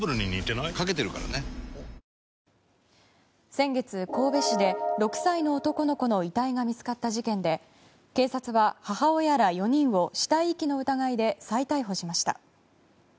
先月、神戸市で６歳の男の子の遺体が見つかった事件で警察は母親ら４人を死体遺棄の疑いで再逮捕しました。